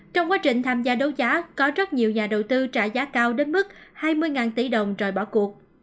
trong quá trình tham gia đấu giá có rất nhiều nhà đầu tư trả giá cao đến mức hai mươi tỷ đồng rồi bỏ cuộc